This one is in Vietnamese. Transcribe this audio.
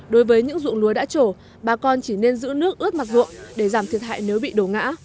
đối với những ruộng lúa đã trổ bà con chỉ nên giữ nước ướt mặt ruộng để giảm thiệt hại nếu bị đổ ngã